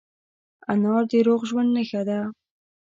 انار د روغ ژوند نښه ده.